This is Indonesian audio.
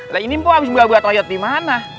lah ini kok abis buka buka toyot dimana